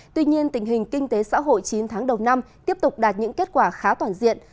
tuy nhiên tình hình kinh tế xã hội chín tháng đầu năm tiếp tục đạt những kết quả khá toàn diện